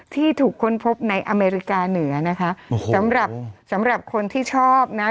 ที่ถูกค้นพบในอเมริกาเหนือนะคะสำหรับสำหรับคนที่ชอบนะ